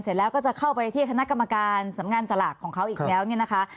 เสร็จแล้วก็จะเข้าไปที่คณะกรรมการสำงานสลากของเขาอีกแล้วเนี่ยนะคะ